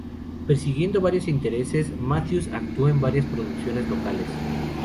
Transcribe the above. Persiguiendo varios intereses, Matthews actuó en varias producciones locales.